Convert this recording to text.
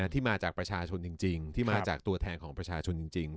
ที่มาจากประชาชนจริงที่มาจากตัวแทนของประชาชนจริง